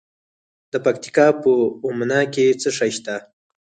د پکتیکا په اومنه کې څه شی شته؟